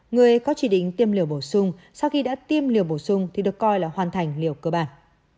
người có chỉ định tiêm liều bổ sung sau khi đã tiêm liều bổ sung thì được coi là hoàn thành liều cơ bản